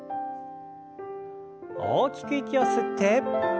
大きく息を吸って。